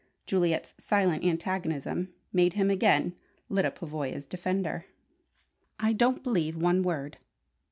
Juliet's silent antagonism made him again Lyda Pavoya's defender. "I don't believe one word!"